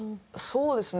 そうですね。